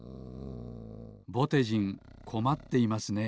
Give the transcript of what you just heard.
ぼてじんこまっていますね。